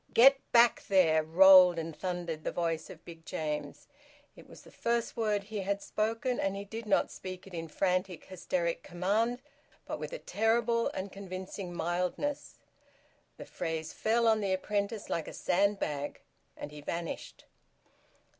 "Get back there!" rolled and thundered the voice of Big James. It was the first word he had spoken, and he did not speak it in frantic, hysteric command, but with a terrible and convincing mildness. The phrase fell on the apprentice like a sandbag, and he vanished.